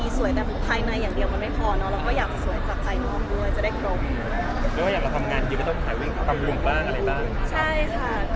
สวยแต่ภายในเองดีกว่าไม่น่ะ